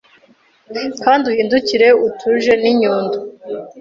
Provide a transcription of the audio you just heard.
Kandi uhindukire utujeninyundo